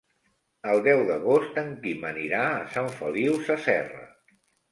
El deu d'agost en Quim anirà a Sant Feliu Sasserra.